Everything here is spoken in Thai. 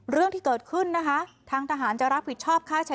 เรื่องที่เกิดขึ้นนะคะทางทหารจะรับผิดชอบค่าใช้